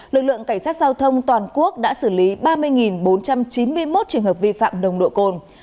lực lượng cảnh sát giao thông toàn quốc đã xử lý ba mươi bốn trăm chín mươi một trường hợp vi phạm nồng độ cồn